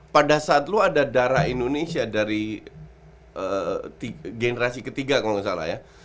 pada saat lo ada darah indonesia dari generasi ketiga kalau nggak salah ya